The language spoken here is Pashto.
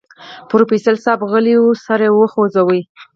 پروفيسر صيب غلی سر وخوځوه.